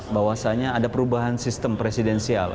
bahwasannya ada perubahan sistem presidensial